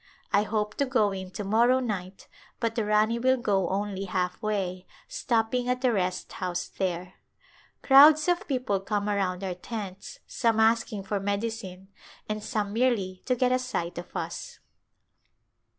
I hope to go in to morrow night but the Rani will go only half Birth of an Heir way, stopping at the rest house there. Crowds of people come around our tents, some asking for medi cine and some merely to get a sight of us.